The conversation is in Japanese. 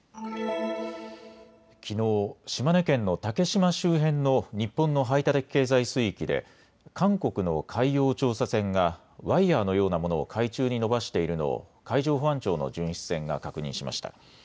きのう、島根県の竹島周辺の日本の排他的経済水域で韓国の海洋調査船がワイヤーのようなものを海中に伸ばしているのを海上保安庁の巡視船が確認しました。